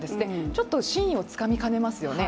ちょっと真意をつかみかねますよね。